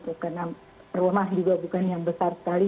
karena rumah juga bukan yang besar sekali